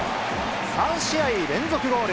３試合連続ゴール。